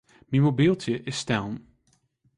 Myn mobyltsje is stellen.